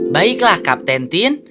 baiklah kapten tin